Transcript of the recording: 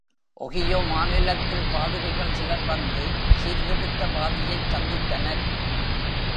Ohio மாநிலத்தில் பாதிரிகள் சிலர் வந்து சீர்திருத்தவாதியைச் சந்தித்தனர்.